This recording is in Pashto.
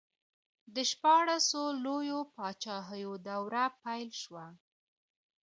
د شپاړسو لویو پاچاهیو دوره پیل شوه.